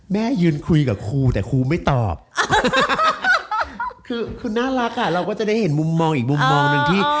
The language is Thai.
แม่ยืนคุยกับครูแต่ครูไม่ตอบคือคุณน่ารักอ่ะเราก็จะได้เห็นมุมมองอีกมุมมองหนึ่งที่